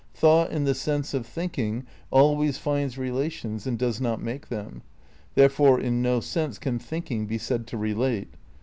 Thought in the sense of thinking always finds rela tions and does not make them. Therefore in no sense can thinking be said to relate.